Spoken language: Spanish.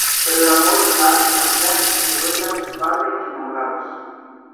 Pero el amor la hace cambiar y se vuelve hacia su padre y enamorados.